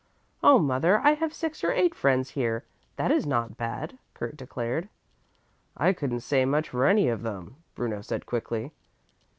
"Oh, mother, I have six or eight friends here, that is not so bad," Kurt declared. "I couldn't say much for any of them," Bruno said quickly.